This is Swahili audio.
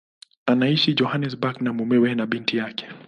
Anaishi Johannesburg na mumewe na binti yake.